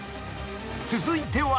［続いては］